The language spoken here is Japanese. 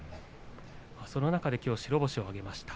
その中できょう白星を挙げました。